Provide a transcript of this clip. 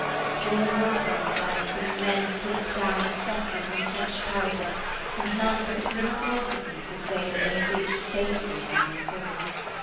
For on the war films I have seen men slip down as softly from the trench parapet, and none but the grimmer philosophers could say that they had reached safety by their fall.